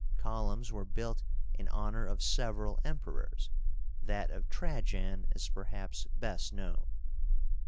Columns were built in honor of several Emperors. That of Trajan is perhaps best known.